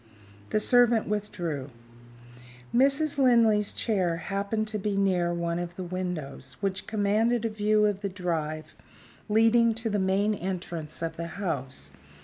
The servant withdrew. Mrs. Linley's chair happened to be near one of the windows, which commanded a view of the drive leading to the main entrance of the house.